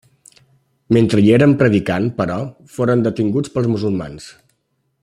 Mentre hi eren predicant, però, foren detinguts pels musulmans.